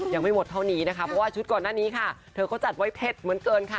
ยังไม่หมดเท่านี้นะคะเพราะว่าชุดก่อนหน้านี้ค่ะเธอก็จัดไว้เผ็ดเหลือเกินค่ะ